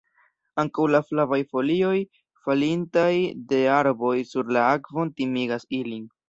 Ankaŭ la flavaj folioj, falintaj de arboj sur la akvon timigas ilin.